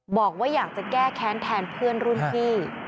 บอกว่าอยากจะแก้แค้นแทนเพื่อนรุ่นพี่